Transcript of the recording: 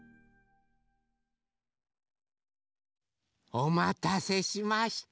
おまたせしました。